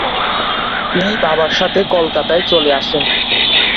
তিনি বাবার সাথে কলকাতায় চলে আসেন।